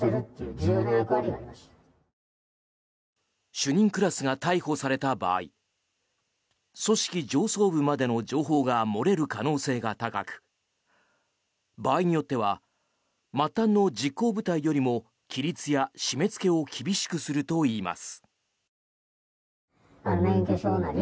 主任クラスが逮捕された場合組織上層部までの情報が漏れる可能性が高く場合によっては末端の実行部隊よりも規律や締めつけを厳しくするといいます。